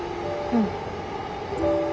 うん。